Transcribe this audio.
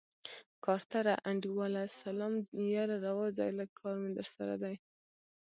کارتره انډيواله سلام يره راووځه لږ کار مې درسره دی.